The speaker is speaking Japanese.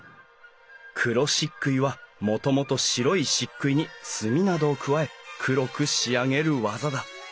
黒漆喰はもともと白い漆喰に墨などを加え黒く仕上げる技だ。